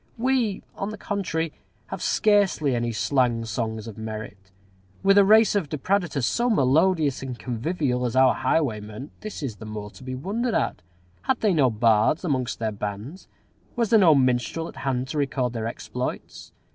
We, on the contrary, have scarcely any slang songs of merit. With a race of depredators so melodious and convivial as our highwaymen, this is the more to be wondered at. Had they no bards amongst their bands? Was there no minstrel at hand to record their exploits?